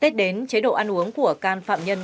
tết đến chế độ ăn uống của can phạm nhân